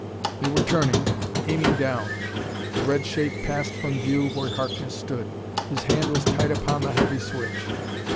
They were turning; aiming down. The red shape passed from view where Harkness stood. His hand was tight upon the heavy switch.